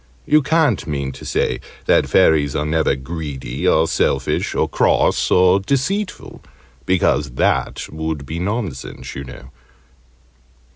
You can't mean to say that Fairies are never greedy, or selfish, or cross, or deceitful, because that would be nonsense, you know.